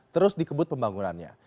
terus dikebut pembangunannya